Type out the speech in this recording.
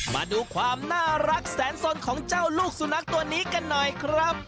มาดูความน่ารักแสนสนของเจ้าลูกสุนัขตัวนี้กันหน่อยครับ